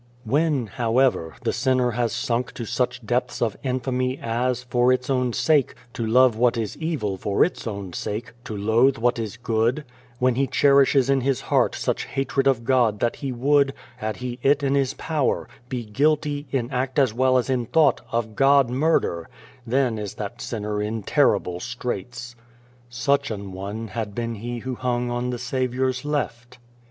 When, however, the sinner has sunk to such depths of infamy as, for its own sake, to love what is evil, for its own sake, to loathe what is good when he cherishes in his heart such 148 Beyond the Door hatred of God that he would, had he it in his power, be guilty, in act as well as in thought, of God murder then is that sinner in terrible straits. Such an one had been he who hung on the Saviour's left.